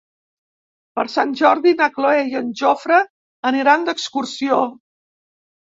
Per Sant Jordi na Cloè i en Jofre aniran d'excursió.